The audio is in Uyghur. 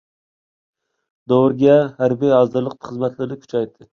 نورۋېگىيە ھەربىي ھازىرلىق خىزمەتلىرىنى كۈچەيتتى.